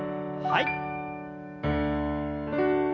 はい。